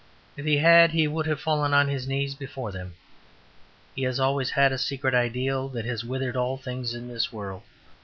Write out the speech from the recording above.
If he had he would have fallen on his knees before them. He has always had a secret ideal that has withered all the things of this world.